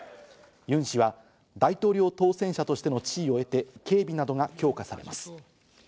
ユン氏は大統領当選者としての地位を得て、警備などが強化されます。